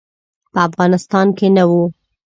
په افغانستان کې نه وو.